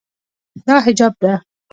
دا حجاب ده.